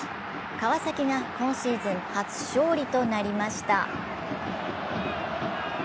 川崎が今シーズン初勝利となりました。